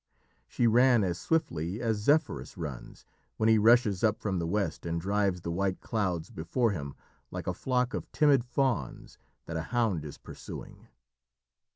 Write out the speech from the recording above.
She ran as swiftly as Zephyrus runs when he rushes up from the west and drives the white clouds before him like a flock of timid fawns that a hound is pursuing.